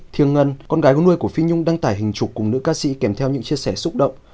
thiêng ngân con gái nuôi của phi nhung đang tải hình trục cùng nữ ca sĩ kèm theo những chia sẻ xúc động